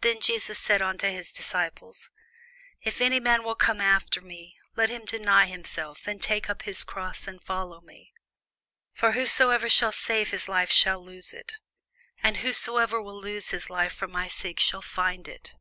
Then said Jesus unto his disciples, If any man will come after me, let him deny himself, and take up his cross, and follow me. For whosoever will save his life shall lose it: and whosoever will lose his life for my sake shall find it.